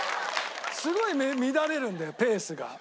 すごい乱れるんだよペースが。